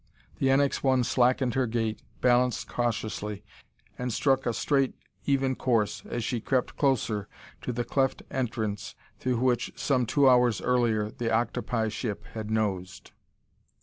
The NX 1 slackened her gait, balanced cautiously, and struck a straight, even course as she crept closer to the cleft entrance through which, some two hours earlier, the octopi ship had nosed.